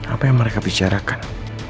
apa yang mereka bicarakan